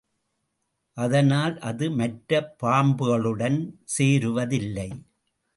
அதனால், அது மற்ற பாம்புகளுடன் சேருவதில்லை.